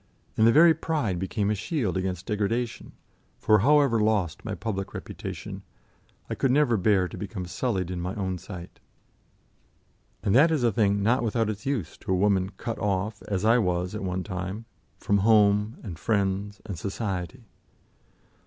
And the very pride became a shield against degradation, for, however lost my public reputation, I could never bear to become sullied in my own sight and that is a thing not without its use to a woman cut off, as I was at one time, from home, and friends, and Society.